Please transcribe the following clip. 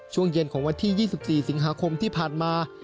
ช่วงเย็นของวันที่๒๔สิงหาคมที่ผ่านมา